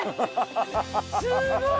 すごーい！